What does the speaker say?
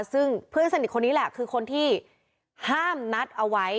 ซึ่งเพื่อนสนิทคนนี้แหละคือคนที่ห้ามนัดเอาไว้